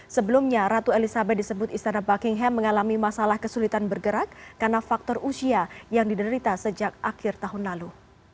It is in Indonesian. sebelumnya ratu elizabeth disebut istana buckingham mengalami masalah kesulitan bergerak karena faktor usia yang diderita sejak akhir tahun lalu